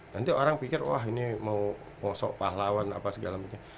nanti orang pikir wah ini mau posok pahlawan apa segala macam